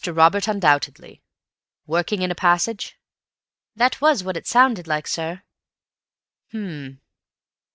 Robert, undoubtedly. Working in a passage?" "That was what it sounded like, sir." "H'm.